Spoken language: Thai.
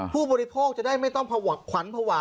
ผู้บริโภคจะได้ไม่ต้องภาวะขวัญภาวะ